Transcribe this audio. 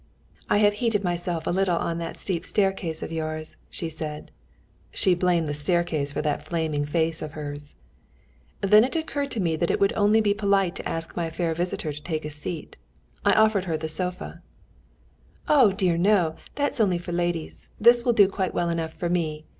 "I have heated myself a little on that steep staircase of yours," she said. She blamed the staircase for that flaming face of hers. It then occurred to me that it would only be polite to ask my fair visitor to take a seat. I offered her the sofa. "Oh, dear, no! That's only for ladies! This will do quite well enough for me."